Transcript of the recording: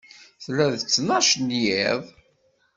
Tella d ttnac n yiḍ.